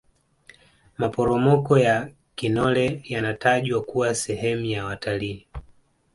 maporomoko ya kinole yanatajwa kuwa sehemu ya watalii